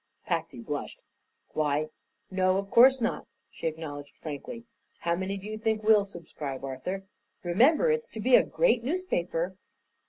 Patsy blushed. "Why, no, of course not," she acknowledged frankly. "How many do you think will subscribe, Arthur? Remember, it's to be a great newspaper."